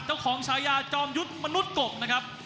เจ้าของชายาจอมยุทธ์มนุษย์กบนะครับ